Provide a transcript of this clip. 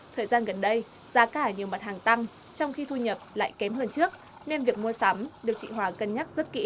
thời gian gần đây giá cả nhiều mặt hàng tăng trong khi thu nhập lại kém hơn trước nên việc mua sắm được chị hòa cân nhắc rất kỹ